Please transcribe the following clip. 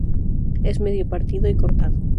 Es medio partido y cortado.